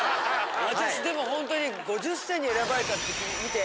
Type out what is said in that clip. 私でもホントに５０選に選ばれたって見て。